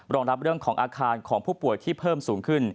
รองรับเรื่องของอาคารของผู้ป่วยที่เพิ่มสูงขึ้น